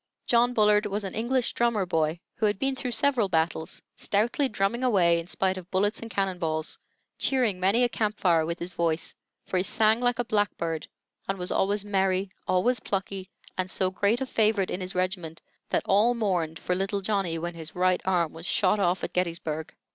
John Bullard was an English drummer boy, who had been through several battles, stoutly drumming away in spite of bullets and cannon balls; cheering many a camp fire with his voice, for he sang like a blackbird, and was always merry, always plucky, and so great a favorite in his regiment, that all mourned for "little Johnny" when his right arm was shot off at Gettysburg.